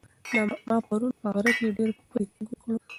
ما پرون په غره کې ډېر پلی تګ وکړ.